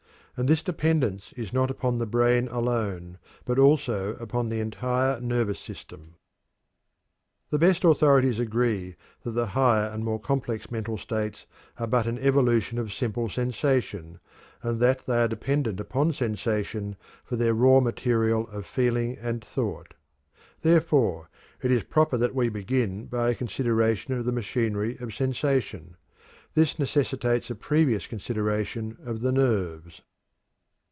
And this dependence is not upon the brain alone, but also upon the entire nervous system. The best authorities agree that the higher and more complex mental states are but an evolution of simple sensation, and that they are dependent upon sensation for their raw material of feeling and thought. Therefore it is proper that we begin by a consideration of the machinery of sensation. This necessitates a previous consideration of the nerves.